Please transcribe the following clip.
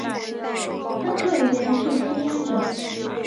亨特原是吸烟者。